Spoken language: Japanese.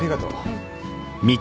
うん。